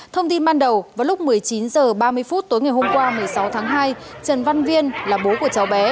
thông tin ban đầu vào lúc một mươi chín h ba mươi phút tối ngày hôm qua một mươi sáu tháng hai trần văn viên là bố của cháu bé